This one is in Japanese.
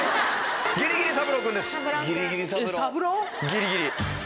ギリギリ。